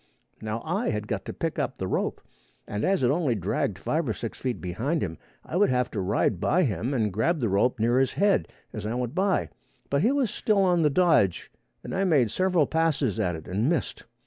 Now I had got to pick up the rope, and as it only dragged five or six feet behind him, I would have to ride by him and grab the rope near his head as I went by: but he was still on the dodge, and I made several passes at it and missed.